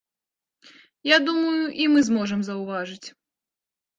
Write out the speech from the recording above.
Я думаю, і мы зможам заўважыць.